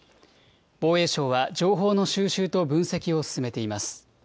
防衛省は情報の収集と分析を進めています。